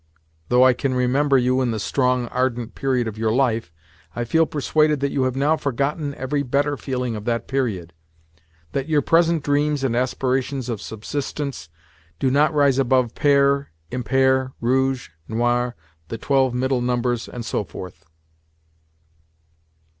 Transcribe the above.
Though I can remember you in the strong, ardent period of your life, I feel persuaded that you have now forgotten every better feeling of that period—that your present dreams and aspirations of subsistence do not rise above pair, impair rouge, noir, the twelve middle numbers, and so forth."